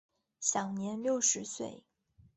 享年六十岁。